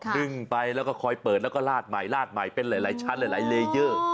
นึ่งไปแล้วก็คอยเปิดแล้วก็ลาดใหม่ลาดใหม่เป็นหลายชั้นหลายเลเยอร์